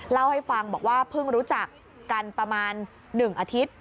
เล่าให้ฟังบอกว่าเพิ่งรู้จักกันประมาณ๑อาทิตย์